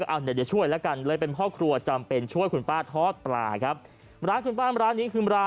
ข้าวปลาแกะป้าแมวกำลังมานะ